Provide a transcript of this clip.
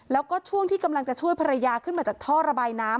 แล้วก็ช่วงที่กำลังจะช่วยภรรยาขึ้นมาจากท่อระบายน้ำ